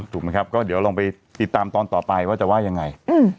ถูกไหมครับก็เดี๋ยวลองไปติดตามตอนต่อไปว่าจะว่ายังไง